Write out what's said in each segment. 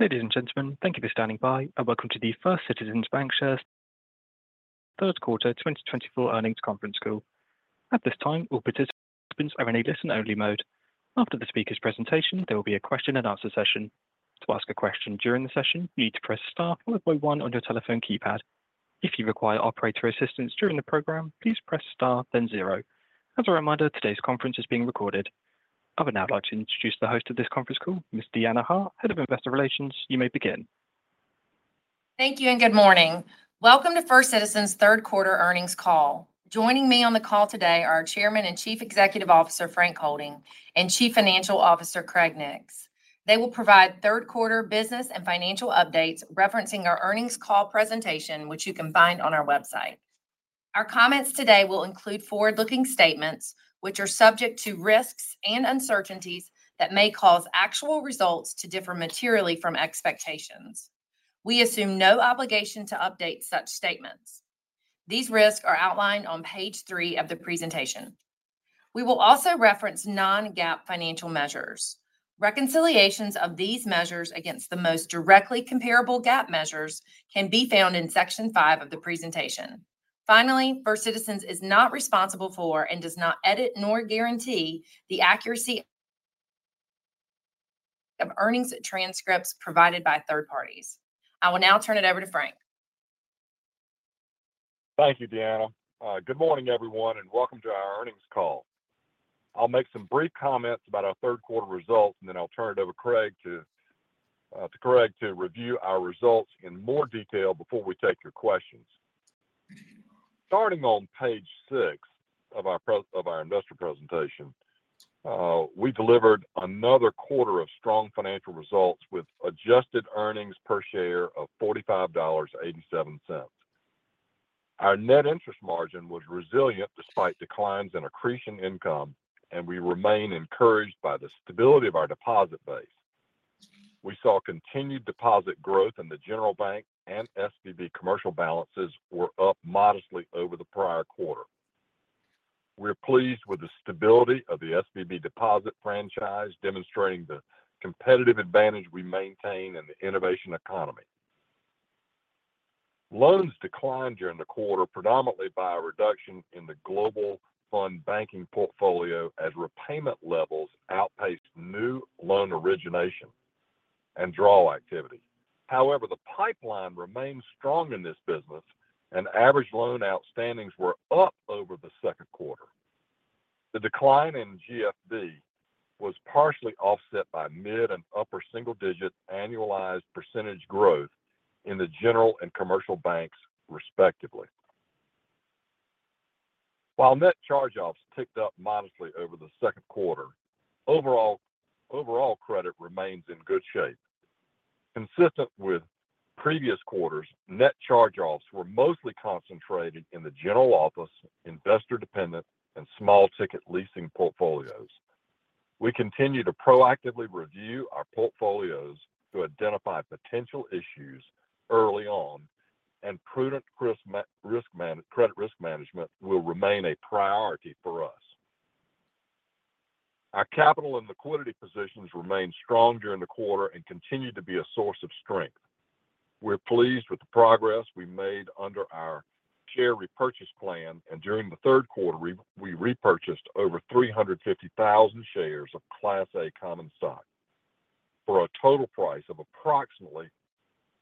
Ladies and gentlemen, thank you for standing by, and welcome to the First Citizens BancShares Third Quarter 2024 Earnings Conference Call. At this time, all participants are in a listen-only mode. After the speaker's presentation, there will be a question and answer session. To ask a question during the session, you need to press star followed by one on your telephone keypad. If you require operator assistance during the program, please press star then zero. As a reminder, today's conference is being recorded. I would now like to introduce the host of this conference call, Ms. Deanna Hart, Head of Investor Relations. You may begin. Thank you, and good morning. Welcome to First Citizens' third quarter earnings call. Joining me on the call today are our Chairman and Chief Executive Officer, Frank Holding, and Chief Financial Officer, Craig Nix. They will provide third quarter business and financial updates, referencing our earnings call presentation, which you can find on our website. Our comments today will include forward-looking statements, which are subject to risks and uncertainties that may cause actual results to differ materially from expectations. We assume no obligation to update such statements. These risks are outlined on page three of the presentation. We will also reference non-GAAP financial measures. Reconciliations of these measures against the most directly comparable GAAP measures can be found in section five of the presentation. Finally, First Citizens is not responsible for and does not edit nor guarantee the accuracy of earnings transcripts provided by third parties. I will now turn it over to Frank. Thank you, Deanna. Good morning, everyone, and welcome to our earnings call. I'll make some brief comments about our third quarter results, and then I'll turn it over to Craig to review our results in more detail before we take your questions. Starting on page 6 of our investor presentation, we delivered another quarter of strong financial results with adjusted earnings per share of $45.87. Our net interest margin was resilient despite declines in accretion income, and we remain encouraged by the stability of our deposit base. We saw continued deposit growth in the General Bank, and SVB Commercial balances were up modestly over the prior quarter. We're pleased with the stability of the SVB deposit franchise, demonstrating the competitive advantage we maintain in the innovation economy. Loans declined during the quarter, predominantly by a reduction in the Global Fund Banking portfolio, as repayment levels outpaced new loan origination and draw activity. However, the pipeline remains strong in this business, and average loan outstandings were up over the second quarter. The decline in GFB was partially offset by mid- and upper single-digit annualized percentage growth in the General and Commercial Banks, respectively. While net charge-offs ticked up modestly over the second quarter, overall credit remains in good shape. Consistent with previous quarters, net charge-offs were mostly concentrated in the General Office, Investor Dependent, and Small Ticket Leasing portfolios. We continue to proactively review our portfolios to identify potential issues early on, and prudent credit risk management will remain a priority for us. Our capital and liquidity positions remained strong during the quarter and continued to be a source of strength. We're pleased with the progress we made under our share repurchase plan, and during the third quarter, we repurchased over 350,000 shares of Class A common stock, for a total price of approximately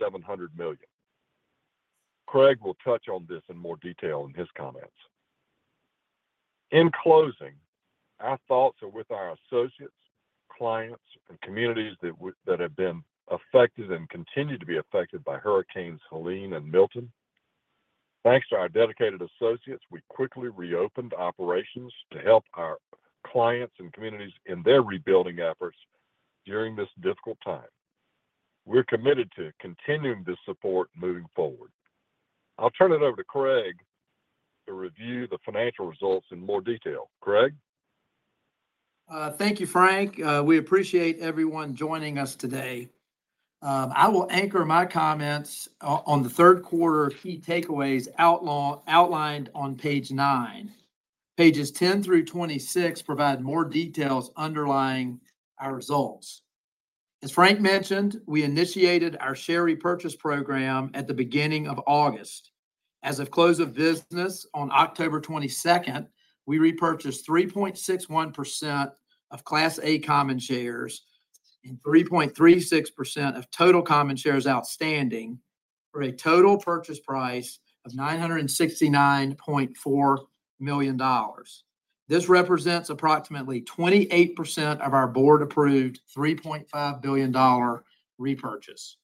$700 million. Craig will touch on this in more detail in his comments. In closing, our thoughts are with our associates, clients, and communities that have been affected and continue to be affected by hurricanes Helene and Milton. Thanks to our dedicated associates, we quickly reopened operations to help our clients and communities in their rebuilding efforts during this difficult time. We're committed to continuing this support moving forward. I'll turn it over to Craig to review the financial results in more detail. Craig? Thank you, Frank. We appreciate everyone joining us today. I will anchor my comments on the third quarter key takeaways outlined on page 9. Pages 10 through 26 provide more details underlying our results. As Frank mentioned, we initiated our share repurchase program at the beginning of August. As of close of business on October 22nd, we repurchased 3.61% of Class A common shares and 3.36% of total common shares outstanding, for a total purchase price of $969.4 million. This represents approximately 28% of our board-approved $3.5 billion repurchase.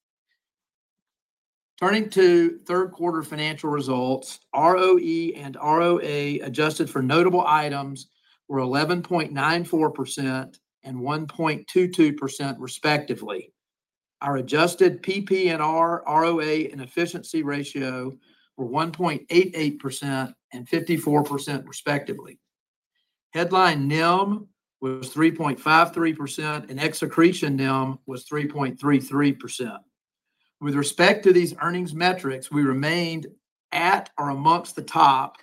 Turning to third quarter financial results, ROE and ROA, adjusted for notable items, were 11.94% and 1.22% respectively. Our adjusted PP&R, ROA, and efficiency ratio were 1.88% and 54% respectively. Headline NIM was 3.53%, and ex-accretion NIM was 3.33%. With respect to these earnings metrics, we remained at or amongst the top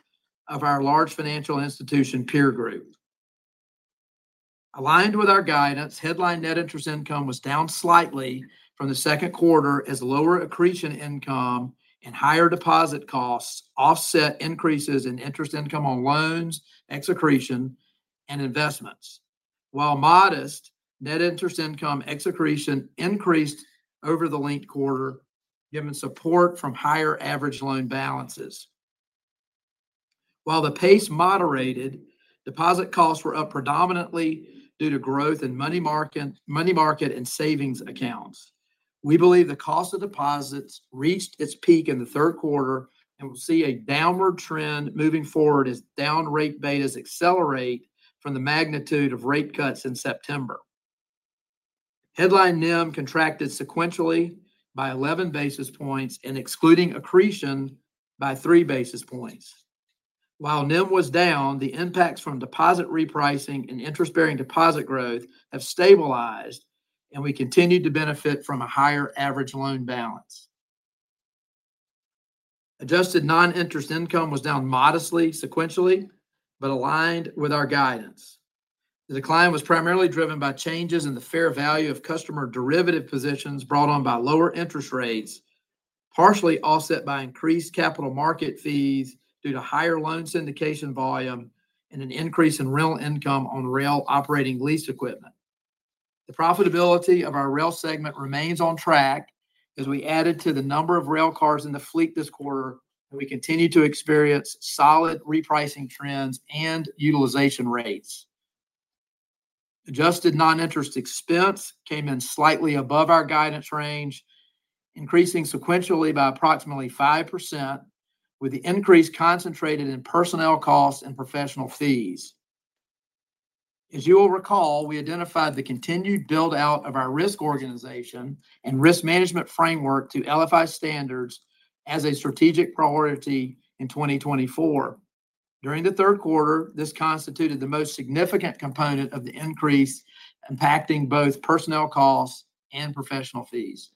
of our large financial institution peer group. Aligned with our guidance, headline net interest income was down slightly from the second quarter as lower accretion income and higher deposit costs offset increases in interest income on loans, ex accretion, and investments. While modest, net interest income ex accretion increased over the linked quarter, given support from higher average loan balances. While the pace moderated, deposit costs were up predominantly due to growth in money market and savings accounts. We believe the cost of deposits reached its peak in the third quarter and will see a downward trend moving forward as down-rate betas accelerate from the magnitude of rate cuts in September. Headline NIM contracted sequentially by eleven basis points and excluding accretion by three basis points. While NIM was down, the impacts from deposit repricing and interest-bearing deposit growth have stabilized, and we continued to benefit from a higher average loan balance. Adjusted non-interest income was down modestly sequentially, but aligned with our guidance. The decline was primarily driven by changes in the fair value of customer derivative positions brought on by lower interest rates, partially offset by increased capital market fees due to higher loan syndication volume and an increase in rental income on Rail operating lease equipment. The profitability of our Rail segment remains on track as we added to the number of railcars in the fleet this quarter, and we continue to experience solid repricing trends and utilization rates. Adjusted non-interest expense came in slightly above our guidance range, increasing sequentially by approximately 5%, with the increase concentrated in personnel costs and professional fees. As you will recall, we identified the continued build-out of our risk organization and risk management framework to LFI standards as a strategic priority in 2024. During the third quarter, this constituted the most significant component of the increase, impacting both personnel costs and professional fees.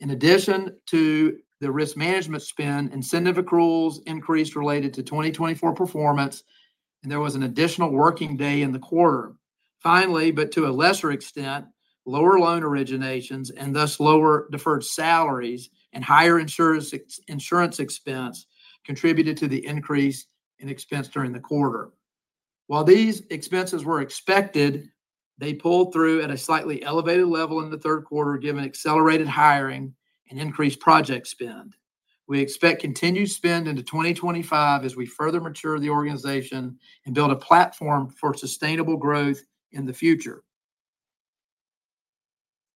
In addition to the risk management spend, incentive accruals increased related to 2024 performance, and there was an additional working day in the quarter. Finally, but to a lesser extent, lower loan originations and thus lower deferred salaries and higher insurance expense contributed to the increase in expense during the quarter. While these expenses were expected, they pulled through at a slightly elevated level in the third quarter, given accelerated hiring and increased project spend. We expect continued spend into 2025 as we further mature the organization and build a platform for sustainable growth in the future.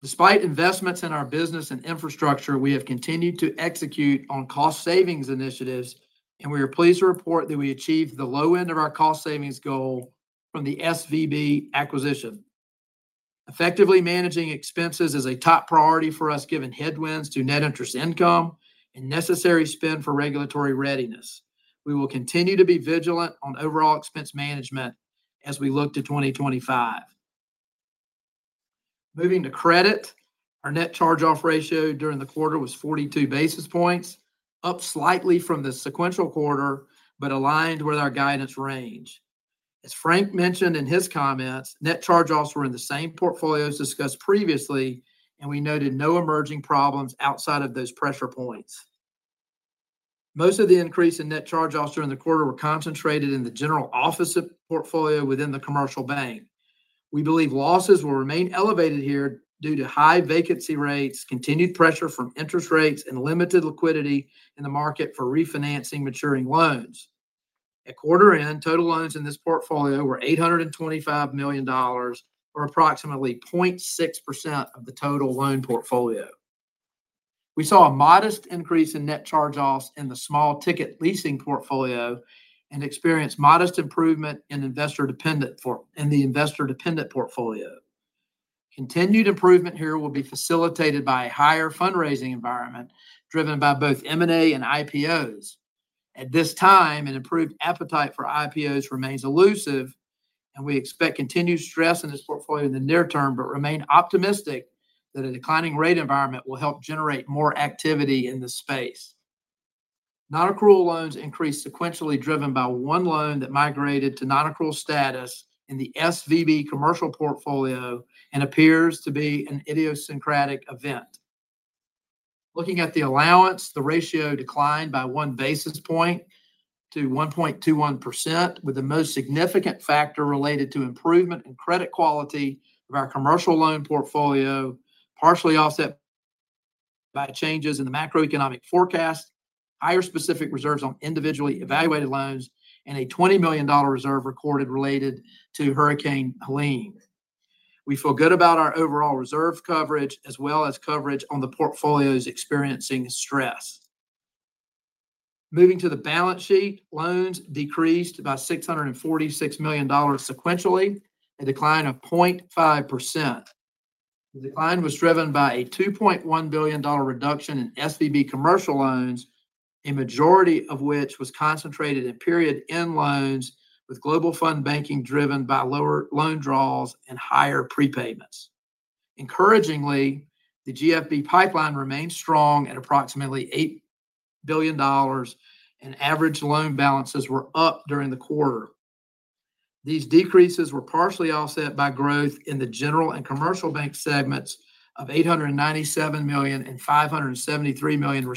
Despite investments in our business and infrastructure, we have continued to execute on cost savings initiatives, and we are pleased to report that we achieved the low end of our cost savings goal from the SVB acquisition. Effectively managing expenses is a top priority for us, given headwinds to net interest income and necessary spend for regulatory readiness. We will continue to be vigilant on overall expense management as we look to 2025. Moving to credit, our net charge-off ratio during the quarter was forty-two basis points, up slightly from the sequential quarter, but aligned with our guidance range. As Frank mentioned in his comments, net charge-offs were in the same portfolios discussed previously, and we noted no emerging problems outside of those pressure points. Most of the increase in net charge-offs during the quarter were concentrated in the General Office portfolio within the Commercial Bank. We believe losses will remain elevated here due to high vacancy rates, continued pressure from interest rates, and limited liquidity in the market for refinancing maturing loans. At quarter end, total loans in this portfolio were $825 million, or approximately 0.6% of the total loan portfolio. We saw a modest increase in net charge-offs in the Small Ticket Leasing portfolio and experienced modest improvement in the Investor Dependent portfolio. Continued improvement here will be facilitated by a higher fundraising environment, driven by both M&A and IPOs. At this time, an improved appetite for IPOs remains elusive, and we expect continued stress in this portfolio in the near term, but remain optimistic that a declining rate environment will help generate more activity in this space. Non-accrual loans increased sequentially, driven by one loan that migrated to non-accrual status in the SVB Commercial portfolio and appears to be an idiosyncratic event. Looking at the allowance, the ratio declined by one basis point to 1.21%, with the most significant factor related to improvement in credit quality of our commercial loan portfolio, partially offset by changes in the macroeconomic forecast, higher specific reserves on individually evaluated loans, and a $20 million reserve recorded related to Hurricane Helene. We feel good about our overall reserve coverage, as well as coverage on the portfolios experiencing stress. Moving to the balance sheet, loans decreased by $646 million sequentially, a decline of 0.5%. The decline was driven by a $2.1 billion reduction in SVB Commercial loans, a majority of which was concentrated in period-end loans, with Global Fund Banking driven by lower loan draws and higher prepayments. Encouragingly, the GFB pipeline remains strong at approximately $8 billion and average loan balances were up during the quarter. These decreases were partially offset by growth in the General and Commercial Bank segments of $897 million and $573 million,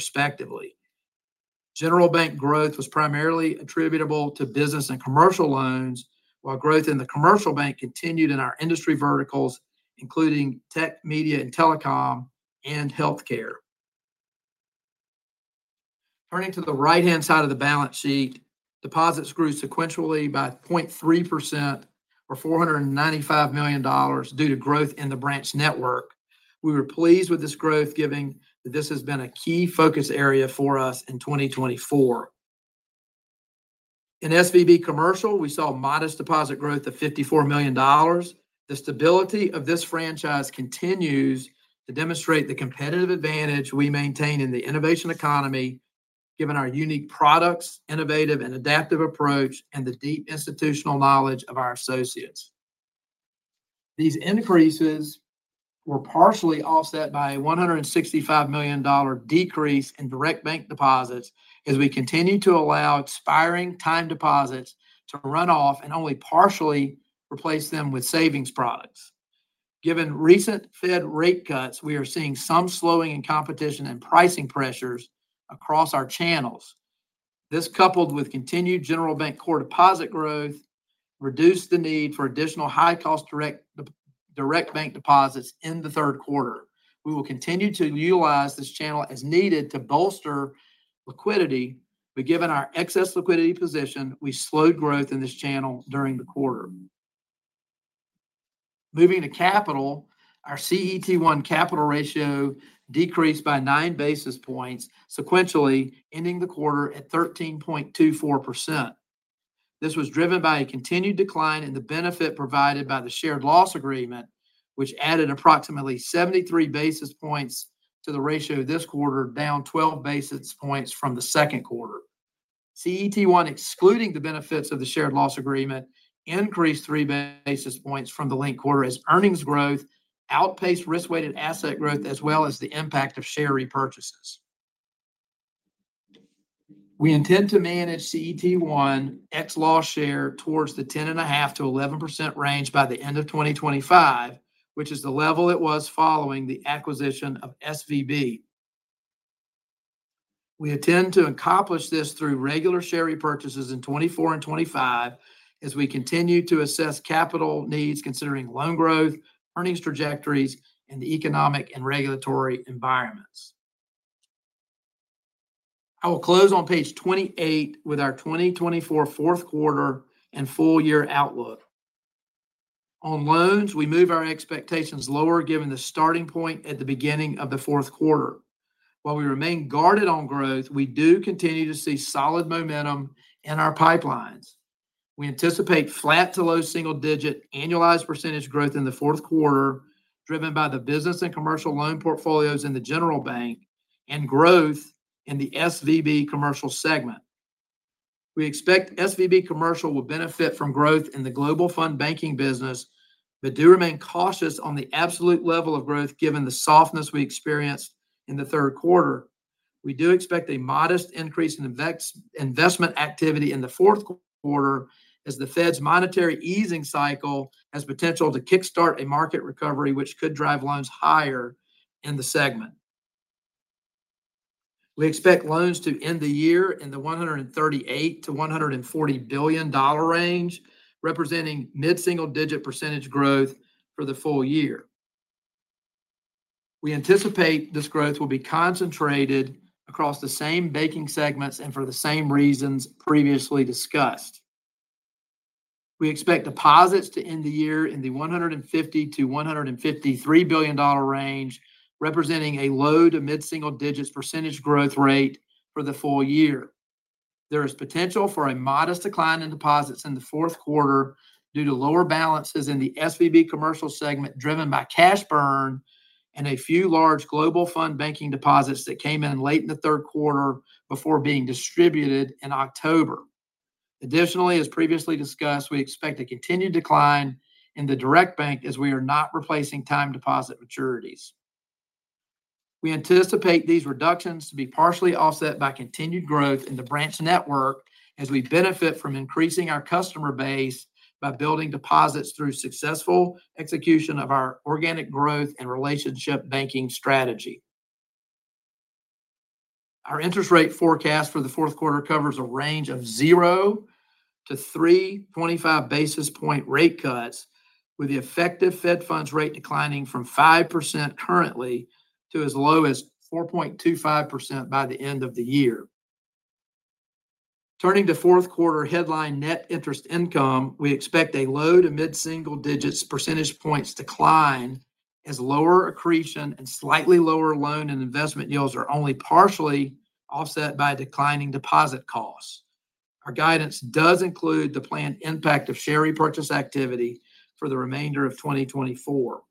respectively. General Bank growth was primarily attributable to business and commercial loans, while growth in the Commercial Bank continued in our industry verticals, including tech, media, and telecom, and healthcare. Turning to the right-hand side of the balance sheet, deposits grew sequentially by 0.3% or $495 million due to growth in the branch network. We were pleased with this growth, given that this has been a key focus area for us in 2024. In SVB Commercial, we saw modest deposit growth of $54 million. The stability of this franchise continues to demonstrate the competitive advantage we maintain in the innovation economy, given our unique products, innovative and adaptive approach, and the deep institutional knowledge of our associates. These increases were partially offset by a $165 million decrease in Direct Bank deposits as we continue to allow expiring time deposits to run off and only partially replace them with savings products. Given recent Fed rate cuts, we are seeing some slowing in competition and pricing pressures across our channels. This, coupled with continued General Bank core deposit growth, reduced the need for additional high-cost Direct Bank deposits in the third quarter. We will continue to utilize this channel as needed to bolster liquidity, but given our excess liquidity position, we slowed growth in this channel during the quarter. Moving to capital, our CET1 capital ratio decreased by nine basis points sequentially, ending the quarter at 13.24%. This was driven by a continued decline in the benefit provided by the Shared Loss Agreement, which added approximately 73 basis points to the ratio this quarter, down 12 basis points from the second quarter. CET1, excluding the benefits of the Shared Loss Agreement, increased 3 basis points from the linked quarter as earnings growth outpaced risk-weighted asset growth, as well as the impact of share repurchases. We intend to manage CET1 ex loss share towards the 10.5%-11% range by the end of 2025, which is the level it was following the acquisition of SVB. We intend to accomplish this through regular share repurchases in 2024 and 2025, as we continue to assess capital needs, considering loan growth, earnings trajectories, and the economic and regulatory environments. I will close on page 28 with our 2024 fourth quarter and full year outlook. On loans, we move our expectations lower, given the starting point at the beginning of the fourth quarter. While we remain guarded on growth, we do continue to see solid momentum in our pipelines. We anticipate flat to low single-digit annualized percentage growth in the fourth quarter, driven by the business and commercial loan portfolios in the General Bank and growth in the SVB Commercial segment. We expect SVB Commercial will benefit from growth in the Global Fund Banking business, but do remain cautious on the absolute level of growth given the softness we experienced in the third quarter. We do expect a modest increase in investment activity in the fourth quarter, as the Fed's monetary easing cycle has potential to kickstart a market recovery, which could drive loans higher in the segment. We expect loans to end the year in the $138 billion-$140 billion range, representing mid-single-digit % growth for the full year. We anticipate this growth will be concentrated across the same banking segments and for the same reasons previously discussed. We expect deposits to end the year in the $150 billion-$153 billion range, representing a low- to mid-single-digits % growth rate for the full year. There is potential for a modest decline in deposits in the fourth quarter due to lower balances in the SVB Commercial segment, driven by cash burn and a few large Global Fund Banking deposits that came in late in the third quarter before being distributed in October. Additionally, as previously discussed, we expect a continued decline in the Direct Bank as we are not replacing time deposit maturities. We anticipate these reductions to be partially offset by continued growth in the branch network as we benefit from increasing our customer base by building deposits through successful execution of our organic growth and relationship banking strategy. Our interest rate forecast for the fourth quarter covers a range of zero to 325 basis point rate cuts, with the effective Fed funds rate declining from 5% currently to as low as 4.25% by the end of the year. Turning to fourth quarter headline net interest income, we expect a low- to mid-single digits percentage points decline, as lower accretion and slightly lower loan and investment yields are only partially offset by declining deposit costs. Our guidance does include the planned impact of share repurchase activity for the remainder of 2024.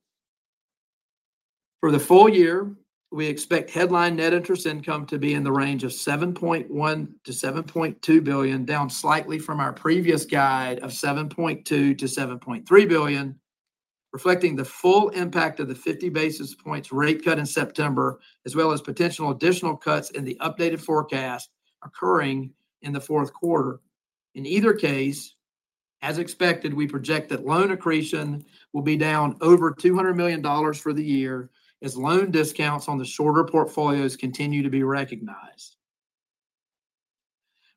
For the full year, we expect headline net interest income to be in the range of $7.1-$7.2 billion, down slightly from our previous guide of $7.2-$7.3 billion, reflecting the full impact of the 50 basis points rate cut in September, as well as potential additional cuts in the updated forecast occurring in the fourth quarter. In either case, as expected, we project that loan accretion will be down over $200 million for the year, as loan discounts on the shorter portfolios continue to be recognized.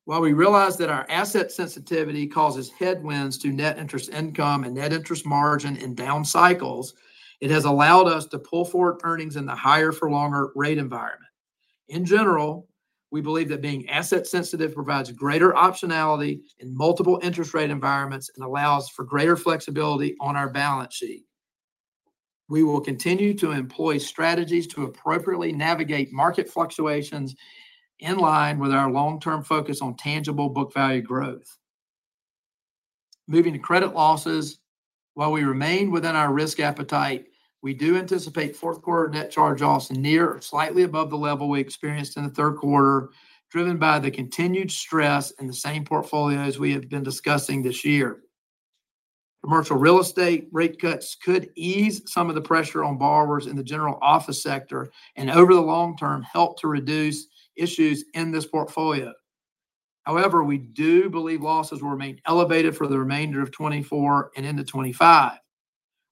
While we realize that our asset sensitivity causes headwinds to net interest income and net interest margin in down cycles, it has allowed us to pull forward earnings in the higher-for-longer rate environment. In general, we believe that being asset sensitive provides greater optionality in multiple interest rate environments and allows for greater flexibility on our balance sheet. We will continue to employ strategies to appropriately navigate market fluctuations in line with our long-term focus on tangible book value growth. Moving to credit losses, while we remain within our risk appetite, we do anticipate fourth quarter net charge-offs near or slightly above the level we experienced in the third quarter, driven by the continued stress in the same portfolios we have been discussing this year. Commercial real estate rate cuts could ease some of the pressure on borrowers in the General Office sector, and over the long term, help to reduce issues in this portfolio. However, we do believe losses will remain elevated for the remainder of 2024 and into 2025.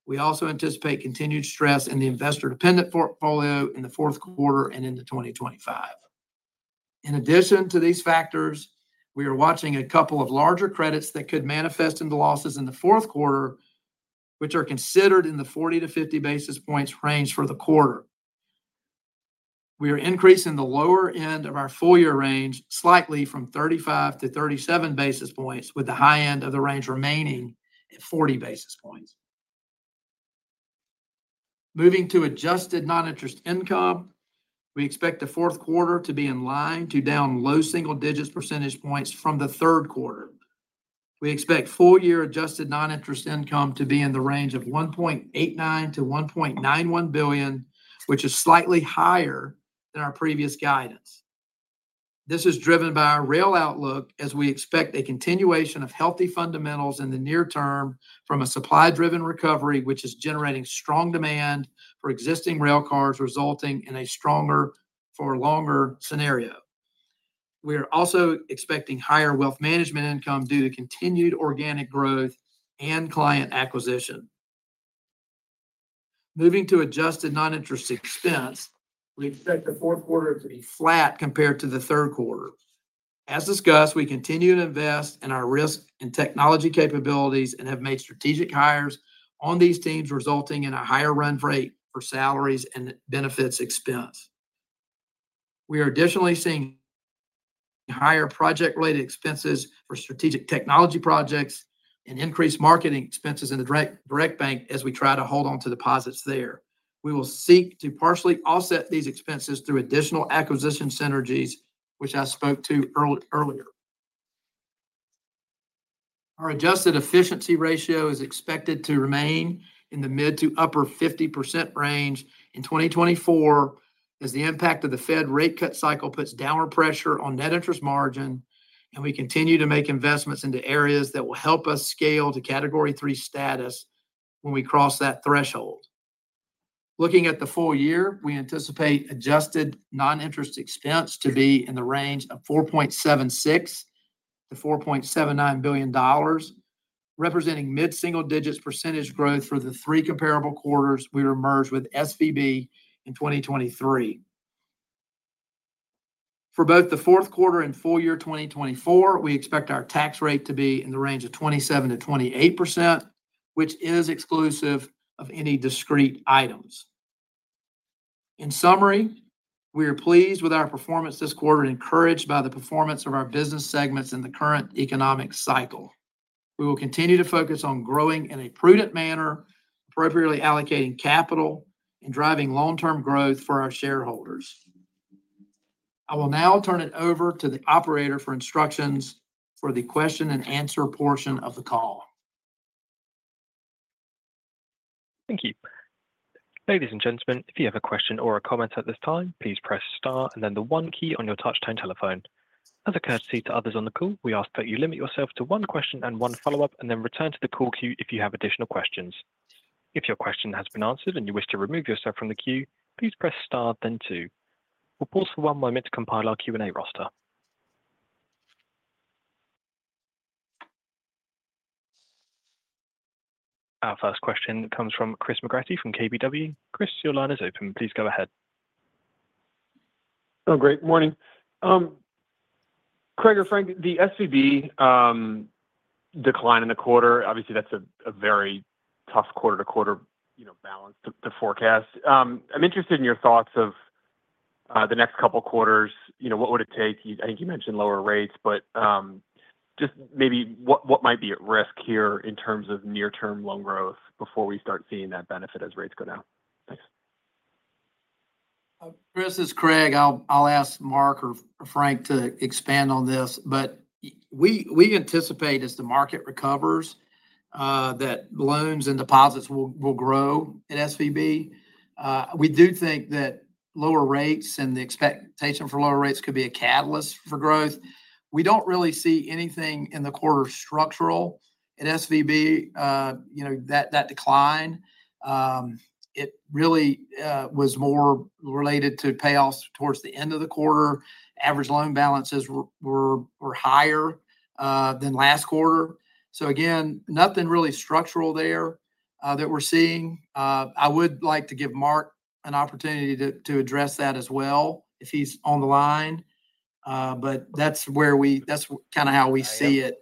We also anticipate continued stress in the Investor Dependent portfolio in the fourth quarter and into 2025. In addition to these factors, we are watching a couple of larger credits that could manifest into losses in the fourth quarter, which are considered in the 40-50 basis points range for the quarter. We are increasing the lower end of our full year range slightly from 35 to 37 basis points, with the high end of the range remaining at 40 basis points. Moving to adjusted non-interest income, we expect the fourth quarter to be in line to down low single digits percentage points from the third quarter. We expect full year adjusted non-interest income to be in the range of $1.89-$1.91 billion, which is slightly higher than our previous guidance. This is driven by our Rail outlook, as we expect a continuation of healthy fundamentals in the near term from a supply-driven recovery, which is generating strong demand for existing railcars, resulting in a stronger-for-longer scenario. We are also expecting higher wealth management income due to continued organic growth and client acquisition. Moving to adjusted non-interest expense, we expect the fourth quarter to be flat compared to the third quarter. As discussed, we continue to invest in our risk and technology capabilities and have made strategic hires on these teams, resulting in a higher run rate for salaries and benefits expense. We are additionally seeing higher project-related expenses for strategic technology projects and increased marketing expenses in the Direct Bank as we try to hold on to deposits there. We will seek to partially offset these expenses through additional acquisition synergies, which I spoke to earlier. Our adjusted efficiency ratio is expected to remain in the mid- to upper-50% range in 2024, as the impact of the Fed rate cut cycle puts downward pressure on net interest margin, and we continue to make investments into areas that will help us scale to Category III status when we cross that threshold. Looking at the full year, we anticipate adjusted non-interest expense to be in the range of $4.76-$4.79 billion, representing mid-single digits % growth for the three comparable quarters we were merged with SVB in 2023. For both the fourth quarter and full year 2024, we expect our tax rate to be in the range of 27%-28%, which is exclusive of any discrete items. In summary, we are pleased with our performance this quarter and encouraged by the performance of our business segments in the current economic cycle. We will continue to focus on growing in a prudent manner, appropriately allocating capital, and driving long-term growth for our shareholders. I will now turn it over to the operator for instructions for the question and answer portion of the call. Thank you. Ladies and gentlemen, if you have a question or a comment at this time, please press Star and then the One key on your touchtone telephone. As a courtesy to others on the call, we ask that you limit yourself to one question and one follow-up, and then return to the call queue if you have additional questions. If your question has been answered and you wish to remove yourself from the queue, please press Star, then Two. We'll pause for one moment to compile our Q&A roster. Our first question comes from Chris McGratty from KBW. Chris, your line is open. Please go ahead. Oh, great. Morning. Craig or Frank, the SVB decline in the quarter, obviously, that's a very tough quarter to quarter, you know, balance to forecast. I'm interested in your thoughts of the next couple quarters. You know, what would it take? I think you mentioned lower rates, but just maybe what might be at risk here in terms of near-term loan growth before we start seeing that benefit as rates go down? Thanks. Chris, this is Craig. I'll ask Marc or Frank to expand on this, but we anticipate, as the market recovers, that loans and deposits will grow at SVB. We do think that lower rates and the expectation for lower rates could be a catalyst for growth. We don't really see anything in the quarter structural at SVB. You know, that decline, it really was more related to payoffs towards the end of the quarter. Average loan balances were higher than last quarter. So again, nothing really structural there that we're seeing. I would like to give Marc an opportunity to address that as well, if he's on the line. But that's where that's kind of how we see it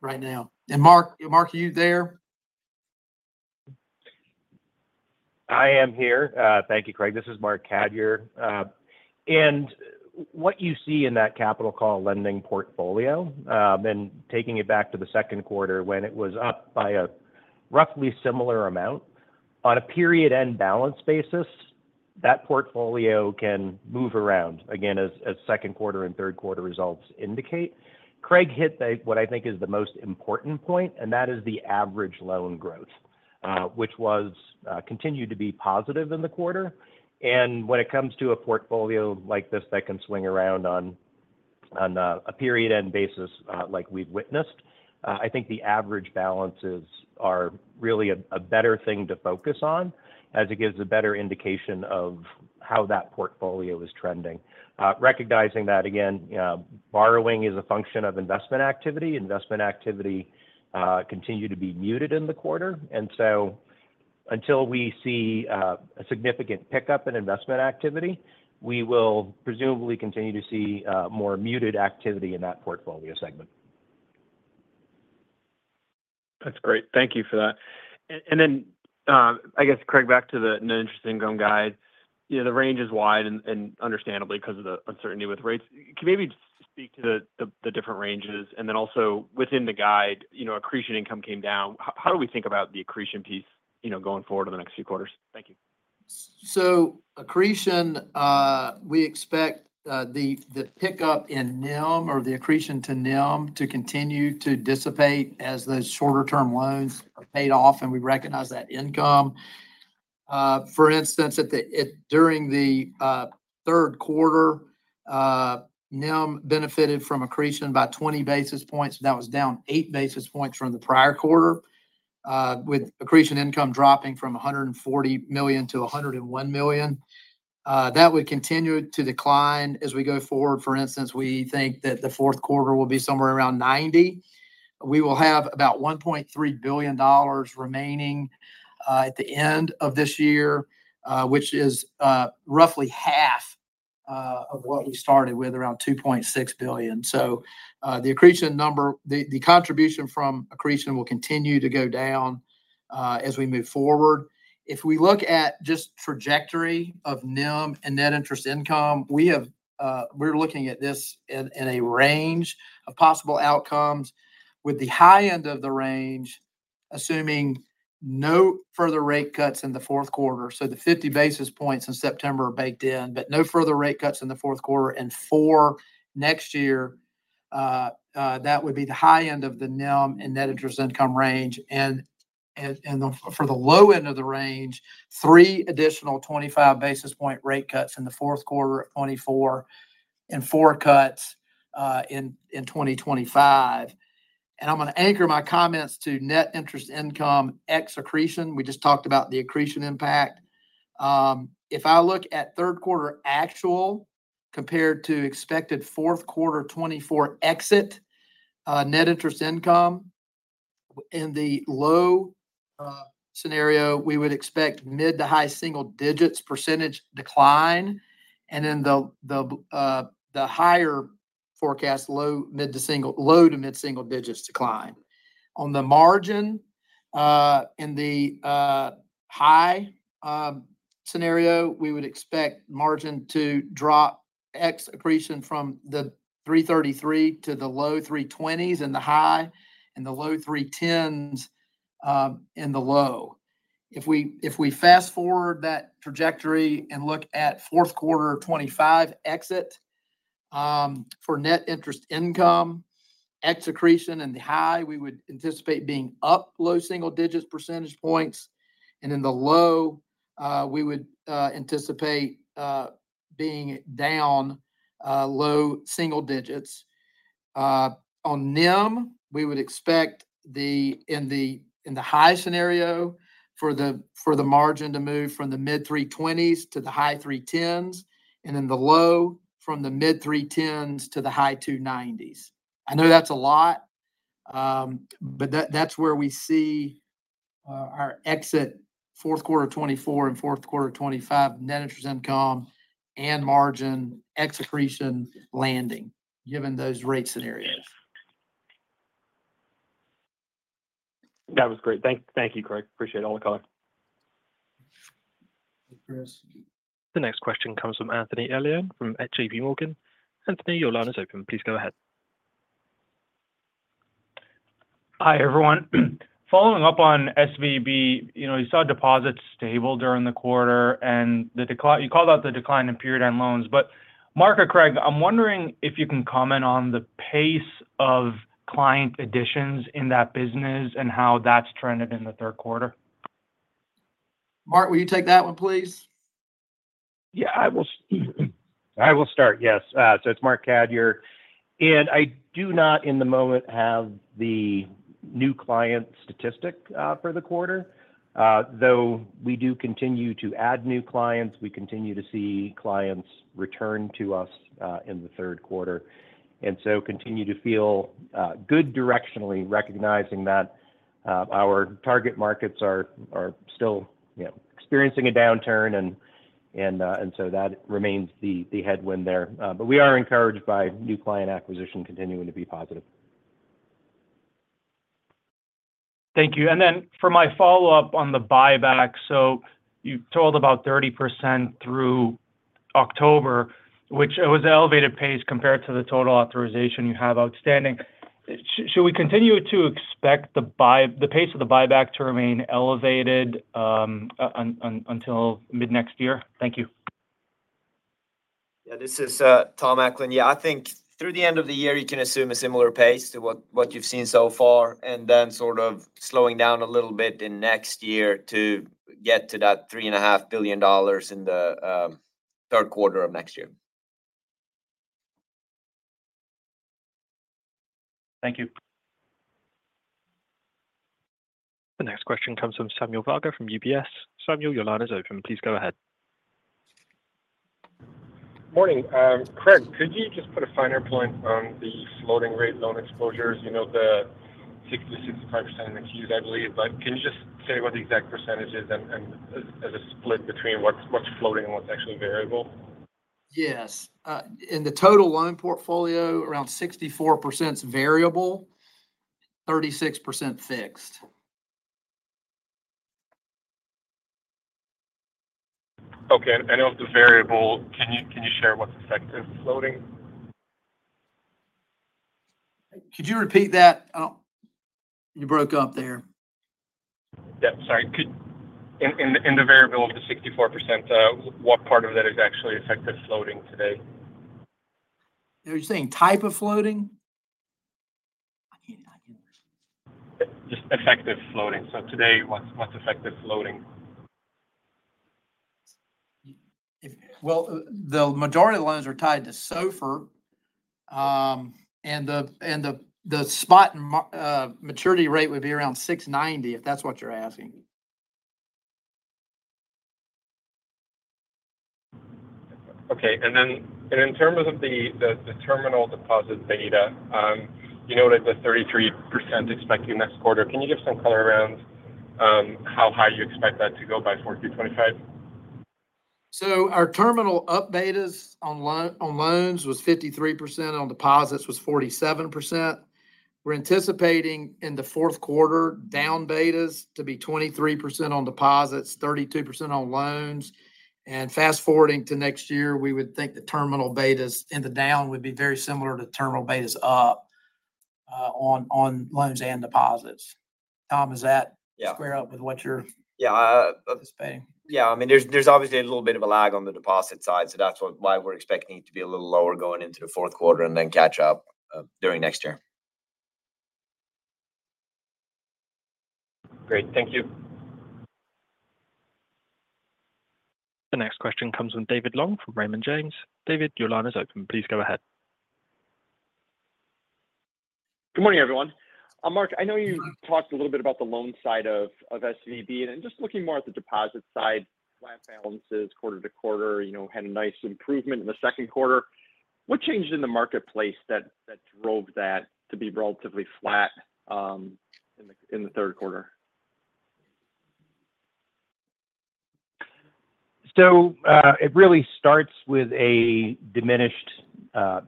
right now. And Marc, are you there? I am here. Thank you, Craig. This is Marc Cadieux. And what you see in that capital call lending portfolio, and taking it back to the second quarter when it was up by a roughly similar amount, on a period-end balance basis, that portfolio can move around, again, as second quarter and third quarter results indicate. Craig hit the, what I think is the most important point, and that is the average loan growth, which was continued to be positive in the quarter. When it comes to a portfolio like this that can swing around on a period-end basis, like we've witnessed, I think the average balances are really a better thing to focus on, as it gives a better indication of how that portfolio is trending. Recognizing that, again, borrowing is a function of investment activity. Investment activity continued to be muted in the quarter, and so until we see a significant pickup in investment activity, we will presumably continue to see more muted activity in that portfolio segment. That's great. Thank you for that. And then, I guess, Craig, back to the net interest income guide. You know, the range is wide and understandably, because of the uncertainty with rates. Can you maybe just speak to the different ranges? And then also within the guide, you know, accretion income came down. How do we think about the accretion piece, you know, going forward in the next few quarters? Thank you. So accretion, we expect the pickup in NIM or the accretion to NIM to continue to dissipate as the shorter-term loans are paid off, and we recognize that income. For instance, during the third quarter, NIM benefited from accretion about 20 basis points. That was down 8 basis points from the prior quarter, with accretion income dropping from $140 million to $101 million. That would continue to decline as we go forward. For instance, we think that the fourth quarter will be somewhere around 90. We will have about $1.3 billion remaining at the end of this year, which is roughly half of what we started with, around $2.6 billion. So, the accretion number, the contribution from accretion will continue to go down as we move forward. If we look at just trajectory of NIM and net interest income, we have, we're looking at this in a range of possible outcomes, with the high end of the range assuming no further rate cuts in the fourth quarter. So the 50 basis points in September are baked in, but no further rate cuts in the fourth quarter and four next year. That would be the high end of the NIM and net interest income range. And for the low end of the range, three additional 25 basis point rate cuts in the fourth quarter of 2024, and four cuts in 2025. And I'm gonna anchor my comments to net interest income ex accretion. We just talked about the accretion impact. If I look at third quarter actual compared to expected fourth quarter 2024 exit, net interest income, in the low scenario, we would expect mid- to high-single-digits% decline, and then the higher forecast, low- to mid-single-digits decline. On the margin, in the high scenario, we would expect margin to drop ex accretion from the 3.33 to the low 3.20s and the high, and the low 3.10s in the low. If we fast-forward that trajectory and look at fourth quarter 2025 exit, for net interest income, ex accretion and the high, we would anticipate being up low-single-digits percentage points, and in the low, we would anticipate being down low single digits. On NIM, we would expect in the high scenario, for the margin to move from the mid three twenties to the high three tens, and in the low, from the mid three tens to the high two nineties. I know that's a lot, but that's where we see our exit fourth quarter 2024 and fourth quarter 2025 net interest income and margin ex accretion landing, given those rate scenarios. That was great. Thank you, Craig. Appreciate it. All in the call. Chris? The next question comes from Anthony Elian from J.P. Morgan. Anthony, your line is open. Please go ahead. Hi, everyone. Following up on SVB, you know, you saw deposits stable during the quarter and the decline, you called out the decline in period-end loans. But Marc or Craig, I'm wondering if you can comment on the pace of client additions in that business and how that's trended in the third quarter? Marc, will you take that one, please? Yeah, I will start, yes. So it's Marc Cadieux, and I do not in the moment have the new client statistic for the quarter. Though we do continue to add new clients, we continue to see clients return to us in the third quarter. And so continue to feel good directionally, recognizing that our target markets are still, you know, experiencing a downturn, and so that remains the headwind there. but we are encouraged by new client acquisition continuing to be positive. Thank you. And then for my follow-up on the buyback, so you told about 30% through October, which was an elevated pace compared to the total authorization you have outstanding. Should we continue to expect the pace of the buyback to remain elevated until mid-next year? Thank you. Yeah, this is Tom Eklund. Yeah, I think through the end of the year you can assume a similar pace to what you've seen so far, and then sort of slowing down a little bit in next year to get to that $3.5 billion in the third quarter of next year. Thank you. The next question comes from Samuel Varga from UBS. Samuel, your line is open. Please go ahead. Morning. Craig, could you just put a finer point on the floating rate loan exposures? You know, the 60%-65% next year, I believe, but can you just say what the exact percentage is and as a split between what's floating and what's actually variable? Yes. In the total loan portfolio, around 64% is variable, 36% fixed. Okay, and of the variable, can you share what's effective floating? Could you repeat that? I don't... You broke up there. Yeah, sorry. In the variable up to 64%, what part of that is actually effective floating today? Are you saying type of floating? I can't- Just effective floating. So today, what's effective floating? The majority of the loans are tied to SOFR, and the spot and maturity rate would be around 6.90%, if that's what you're asking. Okay. And then in terms of the terminal deposit beta, you noted the 33% expected next quarter. Can you give some color around how high you expect that to go by 2025? So our terminal up betas on loans was 53%, on deposits was 47%. We're anticipating in the fourth quarter, down betas to be 23% on deposits, 32% on loans. And fast-forwarding to next year, we would think the terminal betas in the down would be very similar to terminal betas up on loans and deposits. Tom, does that- Yeah square up with what you're Yeah, uh- Displaying? Yeah, I mean, there's obviously a little bit of a lag on the deposit side, so that's why we're expecting it to be a little lower going into the fourth quarter and then catch up during next year. Great. Thank you. The next question comes from David Long, from Raymond James. David, your line is open. Please go ahead. Good morning, everyone. Marc, I know you talked a little bit about the loan side of SVB, and just looking more at the deposit side, flat balances quarter to quarter, you know, had a nice improvement in the second quarter. What changed in the marketplace that drove that to be relatively flat in the third quarter? So, it really starts with a diminished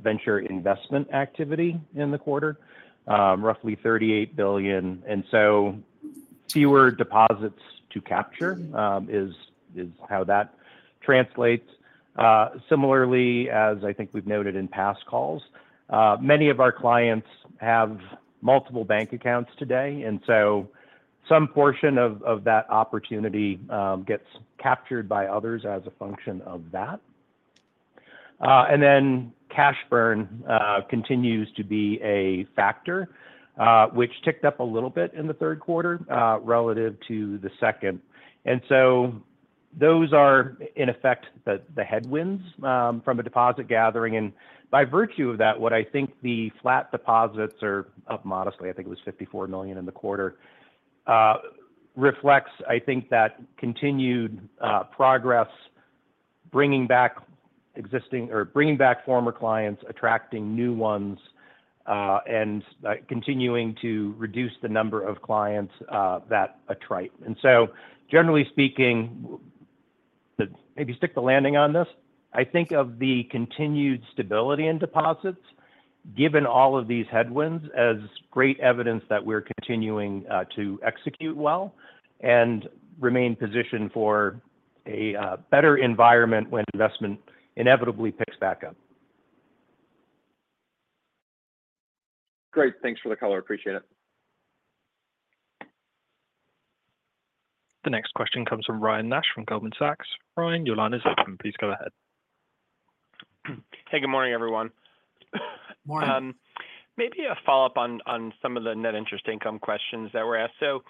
venture investment activity in the quarter, roughly $38 billion. And so fewer deposits to capture is how that translates. Similarly, as I think we've noted in past calls, many of our clients have multiple bank accounts today, and so some portion of that opportunity gets captured by others as a function of that. Then cash burn continues to be a factor, which ticked up a little bit in the third quarter, relative to the second. And so those are, in effect, the headwinds from a deposit gathering. And by virtue of that, what I think the flat deposits are up modestly, I think it was $54 million in the quarter, reflects, I think that continued progress bringing back existing or bringing back former clients, attracting new ones, and continuing to reduce the number of clients that attrite. And so, generally speaking, if you stick the landing on this, I think of the continued stability in deposits, given all of these headwinds, as great evidence that we're continuing to execute well and remain positioned for a better environment when investment inevitably picks back up. Great. Thanks for the color. Appreciate it. The next question comes from Ryan Nash, from Goldman Sachs. Ryan, your line is open. Please go ahead. Hey, good morning, everyone. Morning. Maybe a follow-up on some of the net interest income questions that were asked. So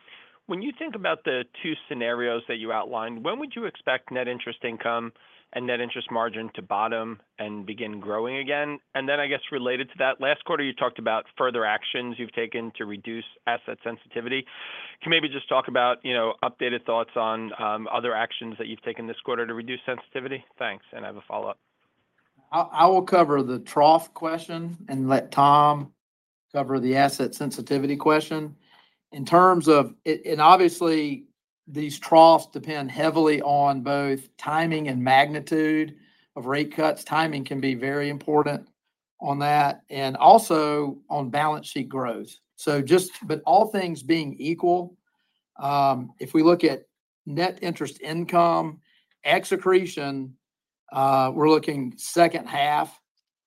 when you think about the two scenarios that you outlined, when would you expect net interest income and net interest margin to bottom and begin growing again? And then, I guess, related to that, last quarter, you talked about further actions you've taken to reduce asset sensitivity. Can you maybe just talk about, you know, updated thoughts on other actions that you've taken this quarter to reduce sensitivity? Thanks, and I have a follow-up. I will cover the trough question and let Tom cover the asset sensitivity question. In terms of it and obviously, these troughs depend heavily on both timing and magnitude of rate cuts. Timing can be very important on that, and also on balance sheet growth. So but all things being equal, if we look at net interest income, ex accretion, we're looking second half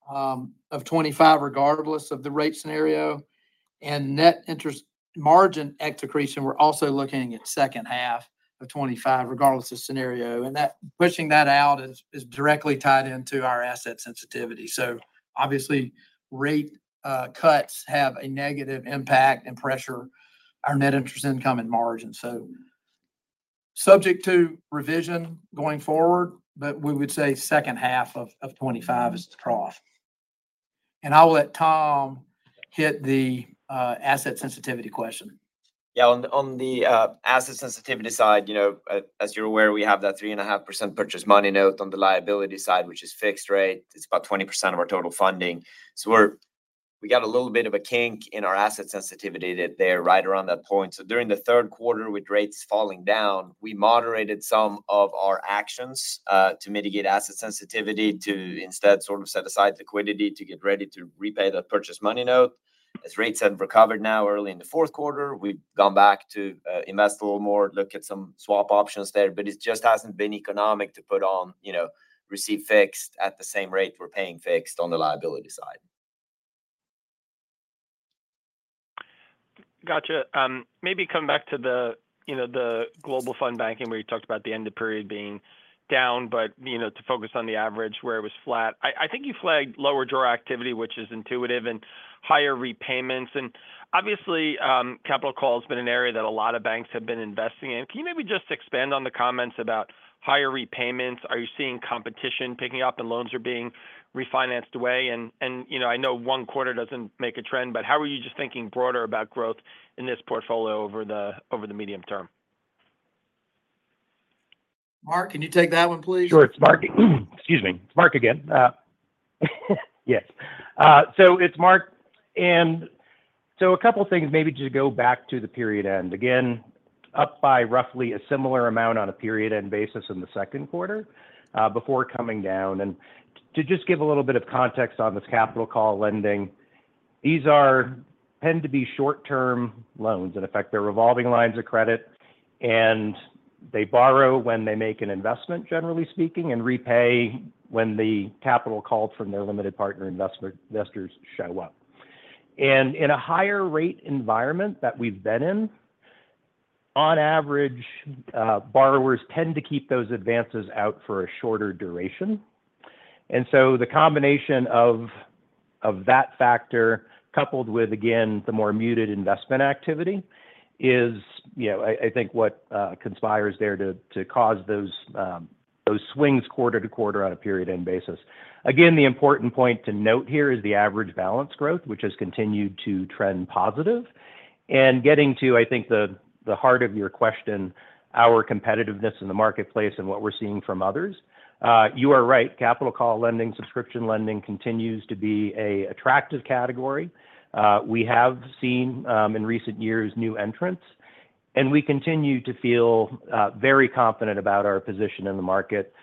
of 2025, regardless of the rate scenario. And net interest margin, ex accretion, we're also looking at second half of 2025, regardless of scenario. And that pushing that out is directly tied into our asset sensitivity. So obviously, rate cuts have a negative impact and pressure our net interest income and margin. So subject to revision going forward, but we would say second half of 2025 is the trough. And I will let Tom hit the, asset sensitivity question. Yeah, on the asset sensitivity side, you know, as you're aware, we have that 3.5% Purchase Money Note on the liability side, which is fixed rate. It's about 20% of our total funding. So we got a little bit of a kink in our asset sensitivity there right around that point. So during the third quarter, with rates falling down, we moderated some of our actions to mitigate asset sensitivity, to instead sort of set aside liquidity to get ready to repay that Purchase Money Note. As rates have recovered now early in the fourth quarter, we've gone back to invest a little more, look at some swap options there, but it just hasn't been economic to put on, you know, receive fixed at the same rate we're paying fixed on the liability side. Gotcha. Maybe come back to the, you know, the Global Fund Banking, where you talked about the end of period being down, but, you know, to focus on the average where it was flat. I think you flagged lower drawdown activity, which is intuitive, and higher repayments. And obviously, capital call has been an area that a lot of banks have been investing in. Can you maybe just expand on the comments about higher repayments? Are you seeing competition picking up and loans are being refinanced away? And, you know, I know one quarter doesn't make a trend, but how are you just thinking broader about growth in this portfolio over the medium term? Marc, can you take that one, please? Sure. It's Marc again. Yes. So a couple of things, maybe to go back to the period end. Again, up by roughly a similar amount on a period end basis in the second quarter, before coming down. And to just give a little bit of context on this capital call lending, these tend to be short-term loans. In effect, they're revolving lines of credit, and they borrow when they make an investment, generally speaking, and repay when the capital call from their limited partner investors show up. And in a higher rate environment that we've been in, on average, borrowers tend to keep those advances out for a shorter duration. And so the combination of that factor, coupled with, again, the more muted investment activity, is, you know, I think what conspires there to cause those swings quarter to quarter on a period end basis. Again, the important point to note here is the average balance growth, which has continued to trend positive. And getting to, I think, the heart of your question, our competitiveness in the marketplace and what we're seeing from others. You are right, capital call lending, subscription lending continues to be an attractive category. We have seen, in recent years, new entrants, and we continue to feel very confident about our position in the market.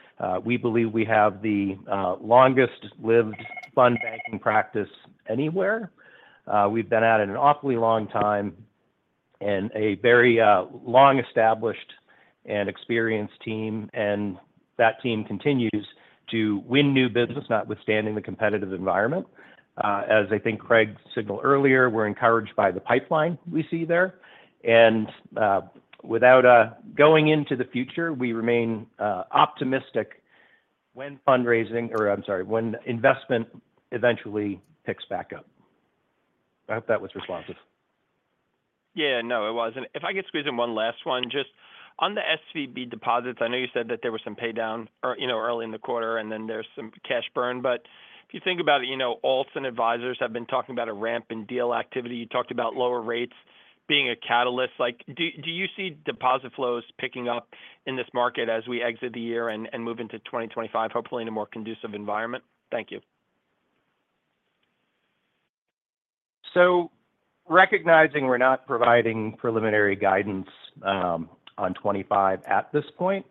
We believe we have the longest-lived fund banking practice anywhere. We've been at it an awfully long time and a very long-established and experienced team, and that team continues to win new business, notwithstanding the competitive environment. As I think Craig signaled earlier, we're encouraged by the pipeline we see there. And, without going into the future, we remain optimistic when fundraising, or I'm sorry, when investment eventually picks back up. I hope that was responsive. Yeah, no, it was. And if I could squeeze in one last one, just on the SVB deposits, I know you said that there was some pay down early in the quarter, and then there's some cash burn. But if you think about it, you know, Alts and advisors have been talking about a ramp in deal activity. You talked about lower rates being a catalyst. Like, do you see deposit flows picking up in this market as we exit the year and move into 2025, hopefully in a more conducive environment? Thank you. So, recognizing we're not providing preliminary guidance on 2025 at this point,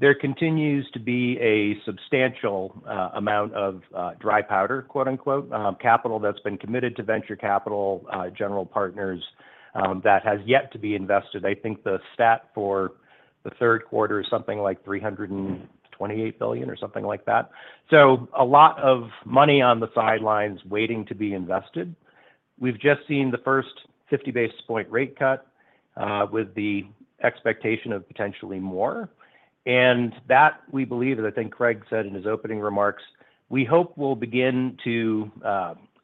there continues to be a substantial amount of “dry powder,” quote unquote, capital that's been committed to venture capital general partners that has yet to be invested. I think the stat for the third quarter is something like $328 billion or something like that. So a lot of money on the sidelines waiting to be invested. We've just seen the first 50 basis point rate cut with the expectation of potentially more, and that we believe, and I think Craig said in his opening remarks, we hope will begin to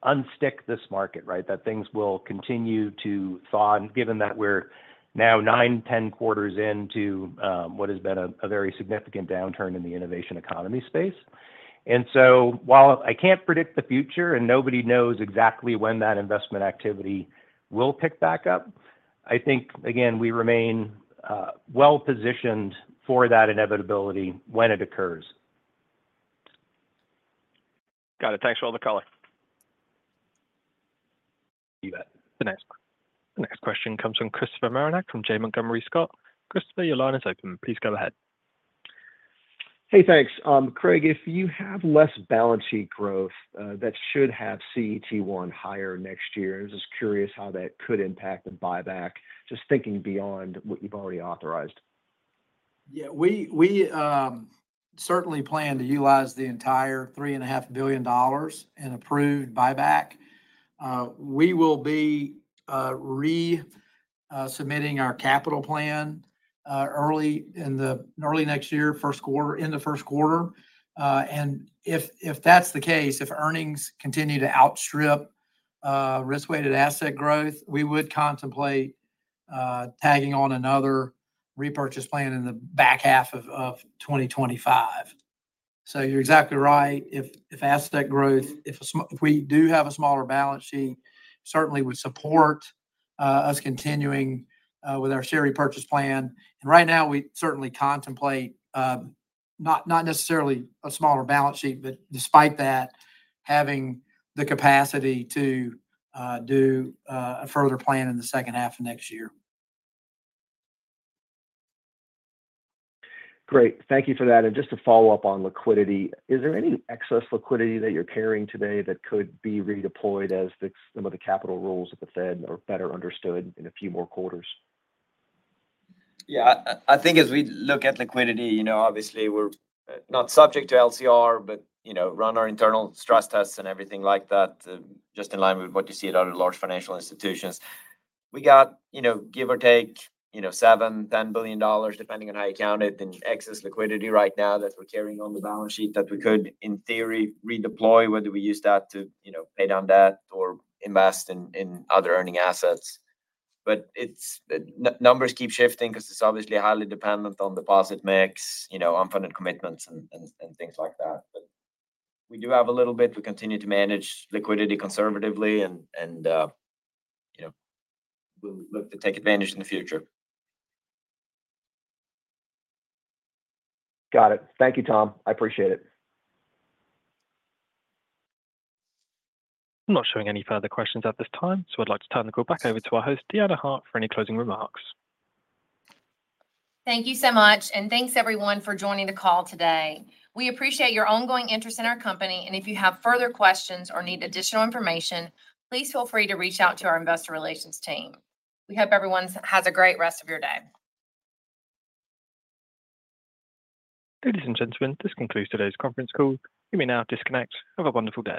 unstick this market, right? That things will continue to thaw, and given that we're now 9, 10 quarters into what has been a very significant downturn in the innovation economy space. And so while I can't predict the future, and nobody knows exactly when that investment activity will pick back up, I think again, we remain well-positioned for that inevitability when it occurs. Got it. Thanks for all the color. You bet. The next one. The next question comes from Christopher Marinac, from Janney Montgomery Scott. Christopher, your line is open. Please go ahead. Hey, thanks. Craig, if you have less balance sheet growth, that should have CET1 higher next year. I was just curious how that could impact the buyback, just thinking beyond what you've already authorized. Yeah. We certainly plan to utilize the entire $3.5 billion in approved buyback. We will be re-submitting our capital plan early in early next year, first quarter, in the first quarter. And if that's the case, if earnings continue to outstrip risk-weighted asset growth, we would contemplate tagging on another repurchase plan in the back half of 2025. So you're exactly right. If asset growth, if we do have a smaller balance sheet, certainly would support us continuing with our share repurchase plan. And right now, we certainly contemplate not necessarily a smaller balance sheet, but despite that, having the capacity to do a further plan in the second half of next year. Great. Thank you for that. And just to follow up on liquidity, is there any excess liquidity that you're carrying today that could be redeployed as the, some of the capital rules of the Fed are better understood in a few more quarters? Yeah, I think as we look at liquidity, you know, obviously, we're not subject to LCR, but, you know, run our internal stress tests and everything like that, just in line with what you see at other large financial institutions. We got, you know, give or take, you know, $7-$10 billion, depending on how you count it, in excess liquidity right now that we're carrying on the balance sheet that we could, in theory, redeploy, whether we use that to, you know, pay down debt or invest in other earning assets. But the numbers keep shifting 'cause it's obviously highly dependent on deposit mix, you know, unfunded commitments and things like that. But we do have a little bit. We continue to manage liquidity conservatively and, you know, we'll look to take advantage in the future. Got it. Thank you, Tom. I appreciate it. I'm not showing any further questions at this time, so I'd like to turn the call back over to our host, Deanna Hart, for any closing remarks. Thank you so much, and thanks, everyone, for joining the call today. We appreciate your ongoing interest in our company, and if you have further questions or need additional information, please feel free to reach out to our investor relations team. We hope everyone has a great rest of your day. Ladies and gentlemen, this concludes today's conference call. You may now disconnect. Have a wonderful day.